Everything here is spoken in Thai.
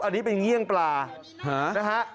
อันนี้เป็นเงี่ยงปลานะฮะ